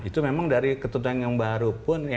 tidak boleh atas nama nasabatnya